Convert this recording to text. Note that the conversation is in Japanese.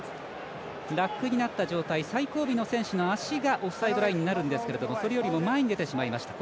ラックになった状態最後尾になった選手の足がオフサイドラインになるんですがそれよりも前に出てしまいました。